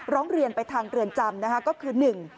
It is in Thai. ร้องเรียนไปทางเรือนจำนะคะก็คือ